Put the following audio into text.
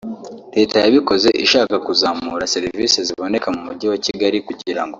Leta yabikoze ishaka kuzamura serivisi ziboneka mu Mujyi wa Kigali kugira ngo